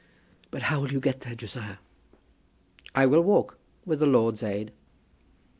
"But how will you get there, Josiah?" "I will walk, with the Lord's aid."